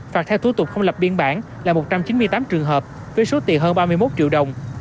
phạt theo thủ tục không lập biên bản là một trăm chín mươi tám trường hợp với số tiền hơn ba mươi một triệu đồng